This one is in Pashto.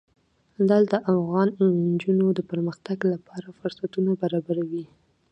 لعل د افغان نجونو د پرمختګ لپاره فرصتونه برابروي.